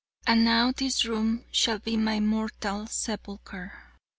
And now this room shall be my mortal sepulcher.